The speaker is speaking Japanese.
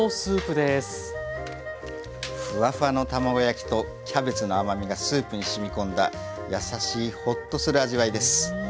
ふわふわの卵焼きとキャベツの甘みがスープにしみこんだやさしいホッとする味わいです。